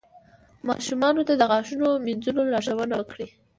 ماشومانو ته د غاښونو مینځلو لارښوونه وکړئ.